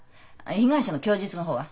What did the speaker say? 被害者の供述の方は？